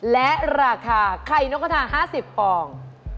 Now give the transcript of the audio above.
และราคาไข่นกกระทา๕๐ฟอง